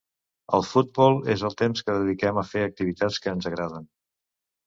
El futbol és el temps que dediquem a fer activitats que ens agraden.